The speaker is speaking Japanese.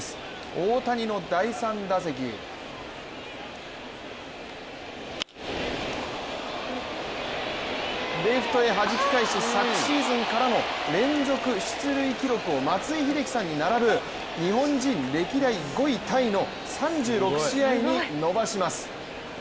大谷の第３打席レフトへはじき返し昨シーズンからの連続出塁記録を松井秀喜さんに並ぶ日本人歴代５位タイの３６試合に伸ばします。